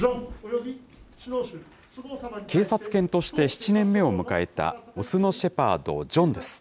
警察犬として７年目を迎えた、雄のシェパード、ジョンです。